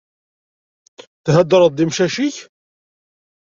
Theddreḍ d imcac-ik?